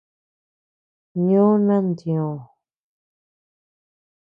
Ñoo nantioö.